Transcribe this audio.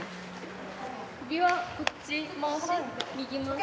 首はこっち回し？